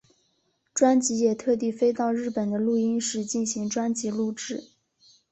专辑也特地飞到日本的录音室进行专辑录制。